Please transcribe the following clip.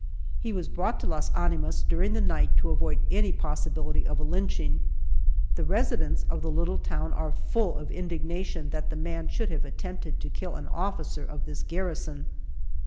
He was brought to Las Animas during the night to avoid any possibility of a lynching. The residents of the little town are full of indignation that the man should have attempted to kill an officer of this garrison.